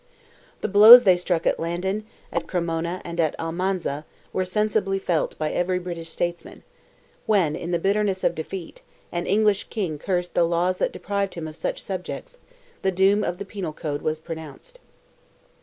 The blows they struck at Landen, at Cremona, and at Almanza, were sensibly felt by every British statesman; when, in the bitterness of defeat, an English King cursed "the laws that deprived him of such subjects," the doom of the penal code was pronounced.